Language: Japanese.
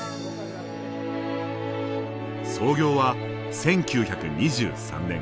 創業は１９２３年。